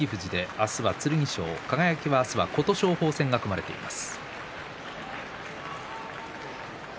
明日は剣翔、輝は明日は琴勝峰戦が組まれています。